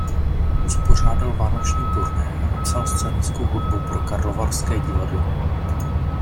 Uspořádal vánoční turné a napsal scénickou hudbu pro karlovarské divadlo.